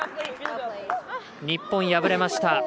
日本破れました。